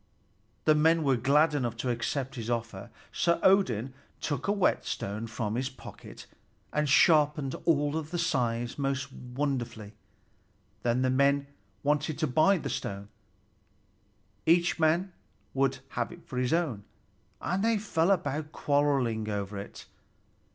The men were glad enough to accept his offer, so Odin took a whetstone from his pocket and sharpened all the scythes most wonderfully. Then the men wanted to buy the stone; each man would have it for his own, and they fell to quarreling over it.